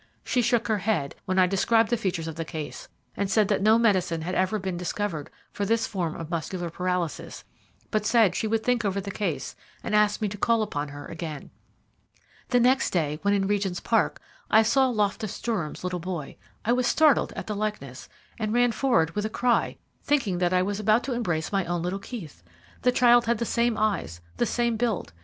She shook her head when I described the features of the case, said that no medicine had ever yet been discovered for this form of muscular paralysis, but said she would think over the case, and asked me to call upon her again. "The next day, when in Regent's Park, I saw Loftus Durham's little boy. I was startled at the likeness, and ran forward with a cry, thinking that I was about to embrace my own little Keith. The child had the same eyes, the same build.